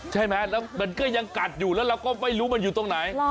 ใช่ไหมแล้วมันก็ยังกัดอยู่แล้วเราก็ไม่รู้มันอยู่ตรงไหน